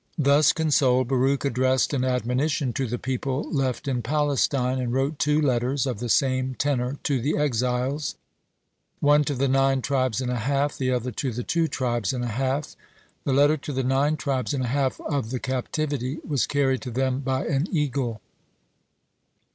(66) Thus consoled, Baruch addressed an admonition to the people left in Palestine, and wrote two letters of the same tenor to the exiles, one to the nine tribes and a half, the other to the two tribes and a half. The letter to the nine tribes and a half of the captivity was carried to them by an eagle.